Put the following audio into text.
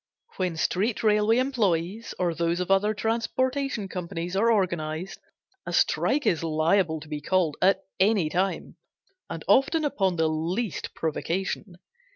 When street railway employees, or those of other transportation companies are organized, a strike is liable to be called at any time, and often upon the least provocation.